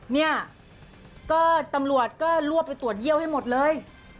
เนี่ยก็ตำรวจก็รวบไปตรวจเยี่ยวให้หมดเลย